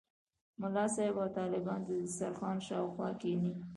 ملا صاحب او طالبان د دسترخوان شاوخوا کېني.